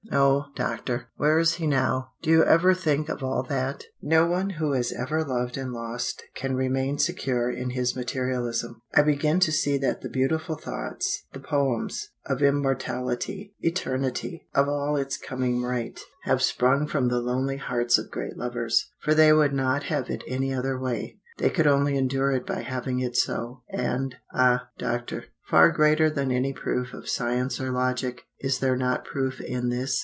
"Oh, Doctor where is he now? Do you ever think of all that? No one who has ever loved and lost can remain secure in his materialism. I begin to see that the beautiful thoughts, the poems, of immortality, eternity, of its all coming right, have sprung from the lonely hearts of great lovers. For they would not have it any other way they could only endure it by having it so, and, ah, Doctor far greater than any proof of science or logic, is there not proof in this?